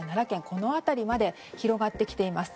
この辺りまで広がってきています。